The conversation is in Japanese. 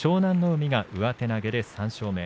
海が上手投げで３勝目。